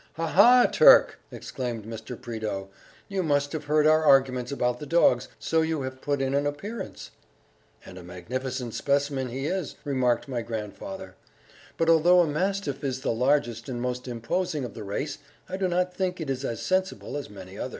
"Ha ha, Turk!" exclaimed Mr. Prideaux, "you must have heard our arguments about the dogs, so you have put in an appearance." "And a magnificent specimen he is!" remarked my grandfather; "but although a mastiff is the largest and most imposing of the race, I do not think it is as sensible as many others."